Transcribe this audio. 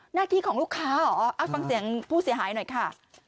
หน้าที่ของลูกค้าเหรอเอาฟังเสียงผู้เสียหายหน่อยค่ะ